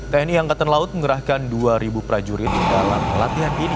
tni angkatan laut mengerahkan dua prajurit dalam latihan ini